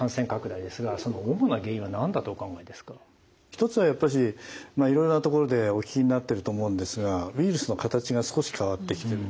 一つはやっぱしいろいろなところでお聞きになってると思うんですがウイルスの形が少し変わってきてる。